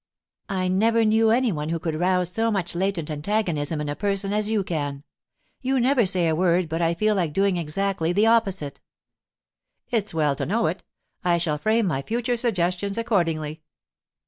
'I never knew any one who could rouse so much latent antagonism in a person as you can! You never say a word but I feel like doing exactly the opposite.' 'It's well to know it. I shall frame my future suggestions accordingly.